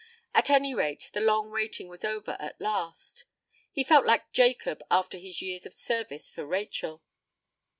At any rate, the long waiting was over at last. He felt like Jacob after his years of service for Rachel.